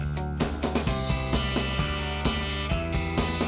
ไม่ไม่ไม่